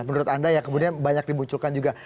menurut anda yang kemudian banyak dimunculkan juga